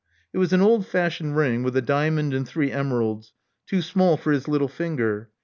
It was an old fashioned ring, with a diamond and three emeralds, too small for his little finger.